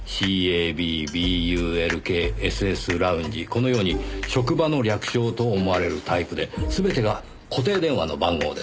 このように職場の略称と思われるタイプで全てが固定電話の番号です。